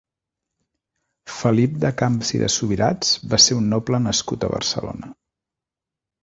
Felip de Camps i de Subirats va ser un noble nascut a Barcelona.